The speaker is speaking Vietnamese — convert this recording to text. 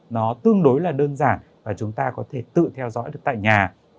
nó tương đối là đơn giản và chúng ta có thể tự theo dõi được tại nhà